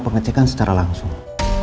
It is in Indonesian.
pengecekan secara langsung